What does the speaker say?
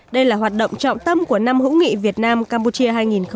đây là hoạt động trọng tâm của năm hữu nghị việt nam campuchia hai nghìn một mươi tám